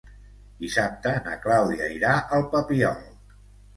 Dissabte na Clàudia irà al Papiol.